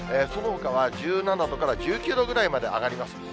そのほかは１７度から１９度ぐらいまで上がります。